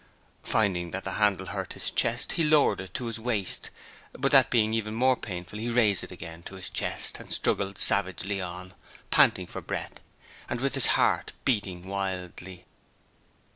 Finding that the handle hurt his chest, he lowered it to his waist, but that being even more painful he raised it again to his chest, and struggled savagely on, panting for breath and with his heart beating wildly.